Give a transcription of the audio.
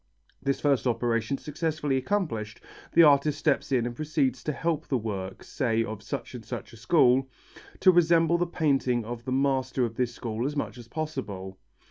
This first operation successfully accomplished, the artist steps in and proceeds to help the work, say of such and such a school, to resemble the painting of the master of this school as much as possible.